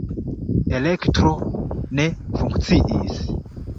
Elektro ne funkciis.